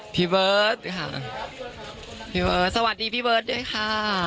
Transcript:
พี่เบิร์ตค่ะพี่เบิร์ดสวัสดีพี่เบิร์ตด้วยค่ะ